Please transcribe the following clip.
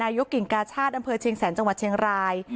ยกกิ่งกาชาติอำเภอเชียงแสนจังหวัดเชียงราย